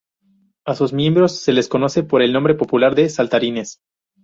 A sus miembros se les conoce por el nombre popular de saltarines.